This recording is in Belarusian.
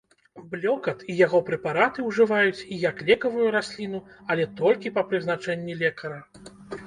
Блёкат і яго прэпараты ўжываюць і як лекавую расліну, але толькі па прызначэнні лекара.